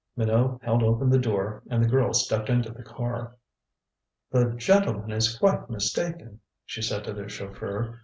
Minot held open the door and the girl stepped into the car. "The gentleman is quite mistaken," she said to the chauffeur.